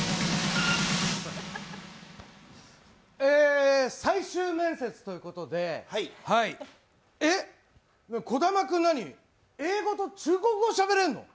え、最終面接ということで、えっ、児玉君、英語と中国語しゃべれるの？